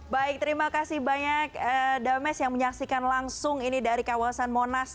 baik terima kasih banyak dames yang menyaksikan langsung ini dari kawasan monas